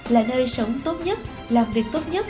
là nơi sống tốt nhất làm việc tốt nhất